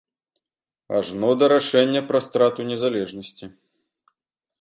Ажно да рашэння пра страту незалежнасці.